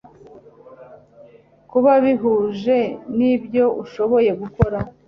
kuba bihuje n ibyo ushoboye gukora